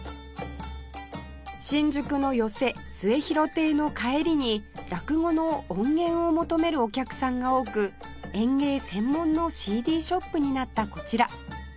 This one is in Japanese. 新宿の寄席末廣亭の帰りに落語の音源を求めるお客さんが多く演芸専門の ＣＤ ショップになったこちら